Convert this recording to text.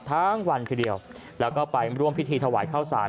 ทั้งวันทีเดียวแล้วก็ไปร่วมพิธีถวายข้าวสาร